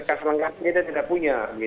kas lengkapnya kita tidak punya